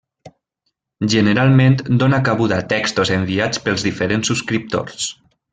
Generalment dóna cabuda a textos enviats pels diferents subscriptors.